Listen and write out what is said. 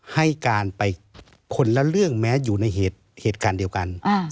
ให้การไปคนละเรื่องแม้อยู่ในเหตุการณ์เดียวกัน